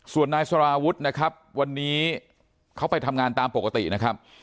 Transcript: ส่วนนายสาราวุฒินะครับวันนี้เขาไปทำงานตามปกตินะครับ